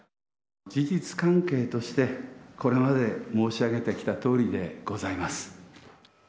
事実関係として、これまで申し上げてきたとおりでございます。